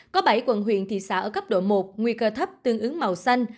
có bảy quận huyện thị xã ở cấp độ một nguy cơ thấp tương ứng màu xanh